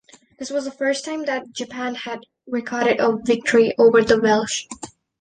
This was the first time that Japan had recorded a victory over the Welsh.